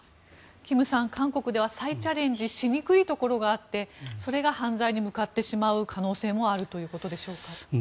キムさん、韓国では再チャレンジしにくいところがあってそれが犯罪に向かってしまう可能性もあるということでしょうか？